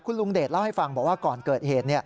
ลุงเดชเล่าให้ฟังบอกว่าก่อนเกิดเหตุ